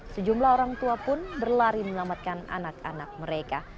sejumlah orang tua pun berlari menyelamatkan anak anak mereka